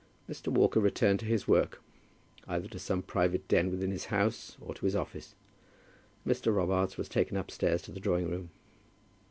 Mr. Walker returned to his work, either to some private den within his house, or to his office, and Mr. Robarts was taken upstairs to the drawing room.